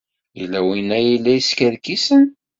Yella win ay la yeskerkisen.